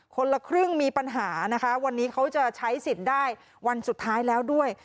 คนละครึ่งมีปัญหานะคะวันนี้เขาจะใช้สิทธิ์ได้วันสุดท้ายแล้วด้วย